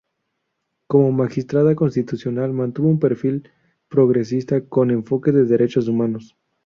Como magistrada constitucional mantuvo un perfil progresista con enfoque de derechos humanos.